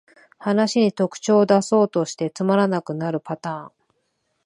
話に特徴だそうとしてつまらなくなるパターン